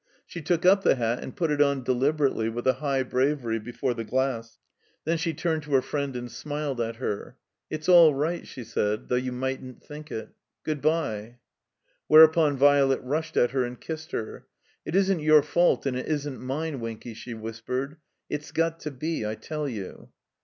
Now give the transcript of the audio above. She took up the hat and put it on, deliberately, with a high bravery, before the glass. Then she ttimed to her friend and smiled at her. "It's all right," she said, "though you mightn't think it. Good by." Whereupon Violet rushed at her and kissed her. "It isn't your fault, and it isn't mine, Winky," she whispered. "It's got to be, I tell you."